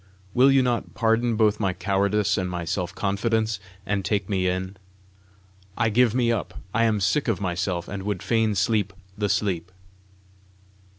Will you not pardon both my cowardice and my self confidence, and take me in? I give me up. I am sick of myself, and would fain sleep the sleep!"